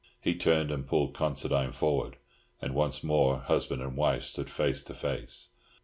He turned and pulled Considine forward, and once more husband and wife stood face to face.